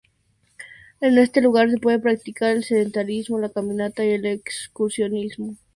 En este lugar se pueden practicar el senderismo, la caminata y el excursionismo.